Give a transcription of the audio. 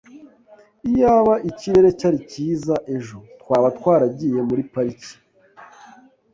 Iyaba ikirere cyari cyiza ejo, twaba twaragiye muri pariki.